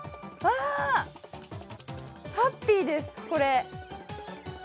ハッピーです、これ。